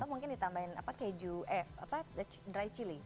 atau mungkin ditambahin dry chili